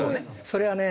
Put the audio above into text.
それはね